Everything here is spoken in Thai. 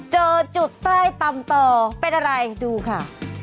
เจอจุดใต้ตำต่อเป็นอะไรดูค่ะ